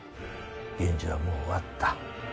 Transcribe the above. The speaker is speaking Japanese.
源氏はもう終わった。